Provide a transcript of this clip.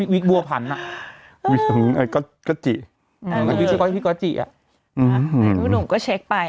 วิกบัวพันธุ์อ่ะอืมก็จิอืมพี่ก็จิอ่ะอืมอืมหนูหนูก็เช็คไป